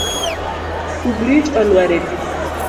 Kubrit olwar e pi.